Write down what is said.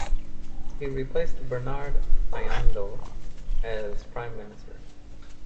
He replaced Bernard Ayandho as prime minister.